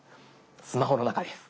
スマホの中です。